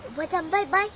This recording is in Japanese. バイバイ。